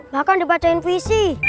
bahkan dibacain puisi